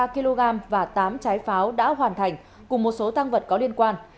ba kg và tám trái pháo đã hoàn thành cùng một số tăng vật có liên quan